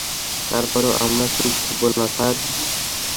তারপরও আমরা চুপ থাকবো, স্যার?